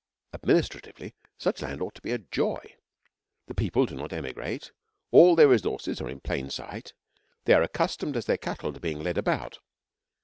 Administratively, such a land ought to be a joy. The people do not emigrate; all their resources are in plain sight; they are as accustomed as their cattle to being led about.